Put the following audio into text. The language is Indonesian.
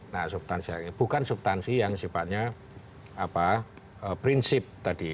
nah bukan subtansi yang sifatnya prinsip tadi